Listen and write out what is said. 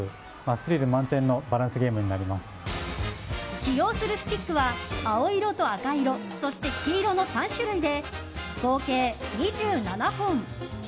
使用するスティックは青色と赤色そして黄色の３種類で合計２７本。